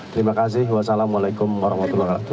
terima kasih wassalamualaikum warahmatullahi wabarakatuh